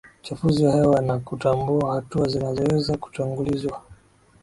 uchafuzi wa hewa na kutambua hatua zinazoweza kutangulizwa